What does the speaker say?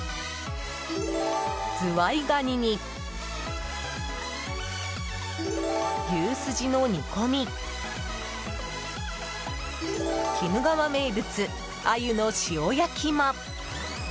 ズワイガニに牛すじの煮込み鬼怒川名物、アユの塩焼きも。